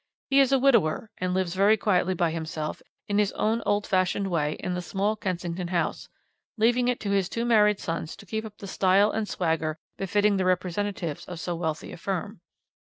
He is a widower, and lives very quietly by himself in his own old fashioned way in the small Kensington house, leaving it to his two married sons to keep up the style and swagger befitting the representatives of so wealthy a firm.